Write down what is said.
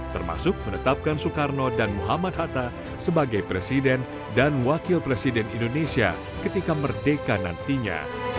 termasuk menetapkan soekarno dan muhammad hatta sebagai presiden dan wakil presiden indonesia ketika merdeka nantinya